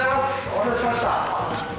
お待たせしました。